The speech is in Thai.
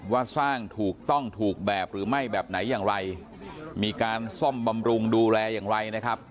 ว่าสร้างถูกต้องถูกแบบหรือไม่แบบไหนอย่างไรมีการซ่อมบำรุงดูแลอย่างไรนะครับ